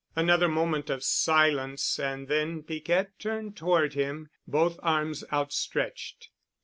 Another moment of silence and then Piquette turned toward him, both arms outstretched.